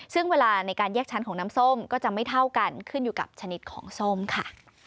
ซึ่งเวลาในการแยกชั้นของน้ำส้มก็จะไม่เท่ากันขึ้นอยู่กับชนิดของส้มค่ะ